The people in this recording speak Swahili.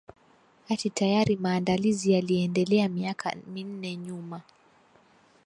ati tayari maandalizi yaliendelea miaka minne nyuma